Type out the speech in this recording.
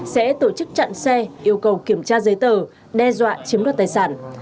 sẽ tổ chức chặn xe yêu cầu kiểm tra giấy tờ đe dọa chiếm đoạt tài sản